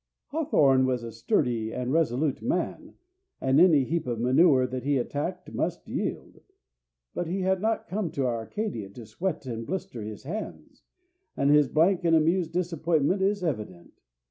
Hawthorne was a sturdy and resolute man, and any heap of manure that he attacked must yield; but he had not come to Arcadia to sweat and blister his hands, and his blank and amused disappointment is evident.